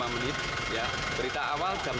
kami menedurkan tujuh unit armada kami